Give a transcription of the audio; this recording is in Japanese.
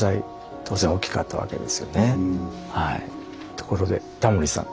ところでタモリさん。